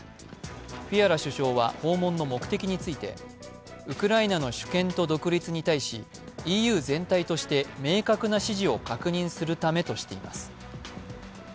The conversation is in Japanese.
フィアラ首相は訪問の目的について、ウクライナの主権と独立に対しＥＵ全体として明確な支持を確認するためとしています。